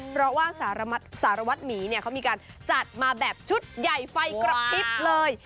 เพราะว่าสารวัตรหมีเนี่ยเขามีการจัดมาแบบชุดใหญ่ไฟกระพริบเลย